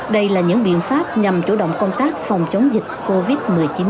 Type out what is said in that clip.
đây là những biện pháp nhằm chủ động công tác phòng chống dịch covid một mươi chín